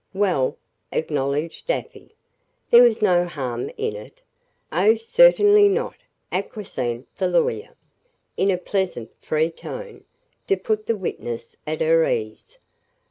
"Well," acknowledged Afy, "there was no harm in it." "Oh, certainly not!" acquiesced the lawyer, in a pleasant, free tone, to put the witness at her ease.